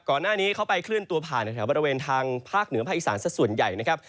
ก่อนหน้านี้เขาไปเคลื่อนตัวผ่านแถวบริเวณทางภาคเหนือภาคอีสานสักส่วนใหญ่นะครับ